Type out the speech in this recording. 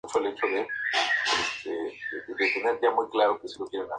Intervino, asimismo, como mediador entre los señores de la guerra.